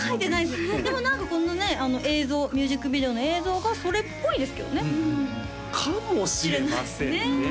でも何かこのね映像ミュージックビデオの映像がそれっぽいですけどねかもしれませんね